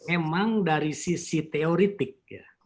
emang dari sisi teoritik